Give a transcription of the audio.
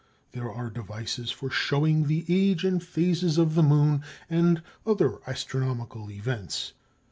There are devices for showing the age and phases of the moon and other astronomical events.